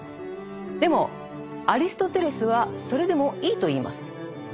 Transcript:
でもアリストテレスはそれでもいいと言います。